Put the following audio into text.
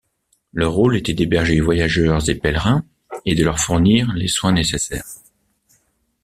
Leur rôle étaient d'héberger voyageurs et pèlerins et de leur fournir les soins nécessaires.